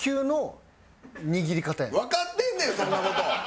わかってんねんそんな事！